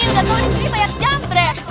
udah tau disini banyak jamret